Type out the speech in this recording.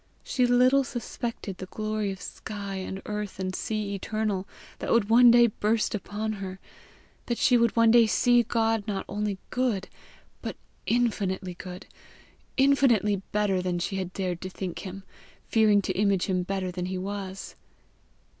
She little suspected the glory of sky and earth and sea eternal that would one day burst upon her! that she would one day see God not only good but infinitely good infinitely better than she had dared to think him, fearing to image him better than he was!